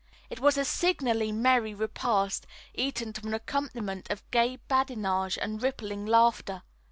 It was a signally merry repast, eaten to an accompaniment of gay badinage and rippling laughter.